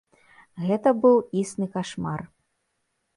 Гэта быў існы кашмар.